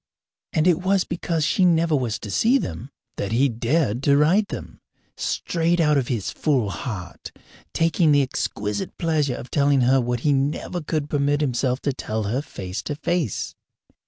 And it was because she never was to see them that he dared to write them, straight out of his full heart, taking the exquisite pleasure of telling her what he never could permit himself to tell her face to face.